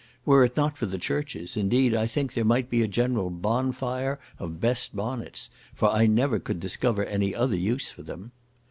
Were it not for the churches, indeed, I think there might be a general bonfire of best bonnets, for I never could discover any other use for them.